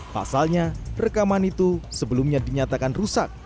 pasalnya rekaman itu sebelumnya dinyatakan rusak